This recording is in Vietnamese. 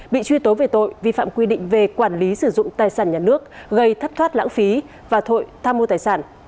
bị truy tố về tội vi phạm quy định về quản lý sử dụng tài sản nhà nước gây thất thoát lãng phí và tội tham mô tài sản